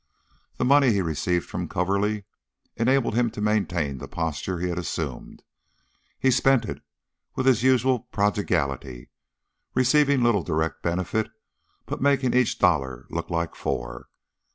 The money he received from Coverly enabled him to maintain the posture he had assumed; he spent it with his usual prodigality, receiving little direct benefit, but making each dollar look like four.